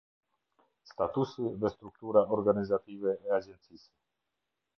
Statusi dhe struktura organizative e Agjencisë.